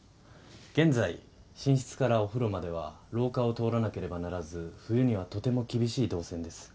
現在寝室からお風呂までは廊下を通らなければならず冬にはとても厳しい動線です。